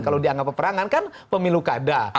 kalau dianggap peperangan kan pemilu kada